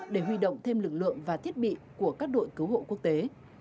để huy động thêm lực lượng và thiết bị của các đội cứu hộ quốc tế